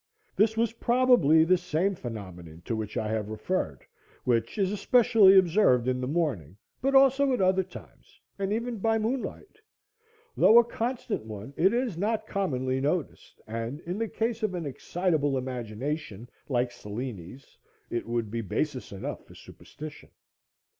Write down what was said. This was probably the same phenomenon to which I have referred, which is especially observed in the morning, but also at other times, and even by moonlight. Though a constant one, it is not commonly noticed, and, in the case of an excitable imagination like Cellini's, it would be basis enough for superstition.